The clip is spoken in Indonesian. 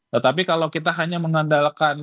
tetapi kalau kita hanya mengandalkan